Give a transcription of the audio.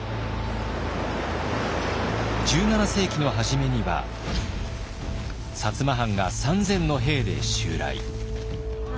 １７世紀の初めには摩藩が３，０００の兵で襲来。